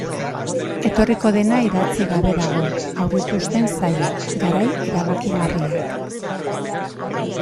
Etorriko dena idatzi gabe dago, aurreikusten zaila, garai erabakigarriak...